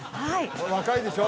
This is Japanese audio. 若いでしょ？